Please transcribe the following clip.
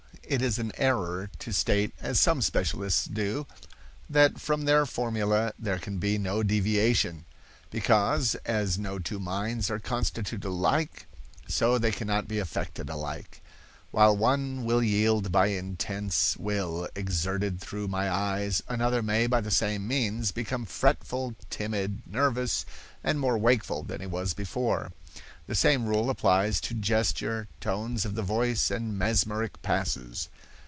It is an error to state, as some specialists do, that from their formula there can be no deviation; because, as no two minds are constituted alike, so they cannot be affected alike. While one will yield by intense will exerted through my eyes, another may, by the same means, become fretful, timid, nervous, and more wakeful than he was before. The same rule applies to gesture, tones of the voice, and mesmeric passes.